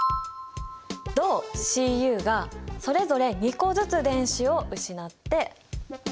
銅Ｃｕがそれぞれ２個ずつ電子を失って。